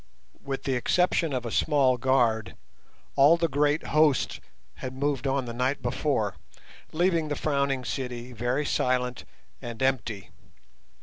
With the exception of a small guard, all the great host had moved on the night before, leaving the Frowning City very silent and empty.